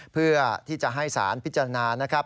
เพื่อที่จะให้สารพิจารณานะครับ